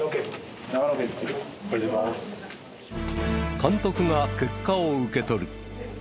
監督が結果を受け取る。